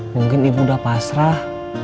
mungkin ibu udah pasrah